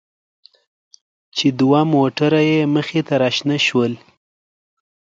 چې دوه موټره يې مخې ته راشنه شول.